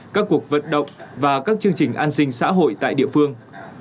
các cuộc vận động và các chương trình an sinh xã hội tại địa phương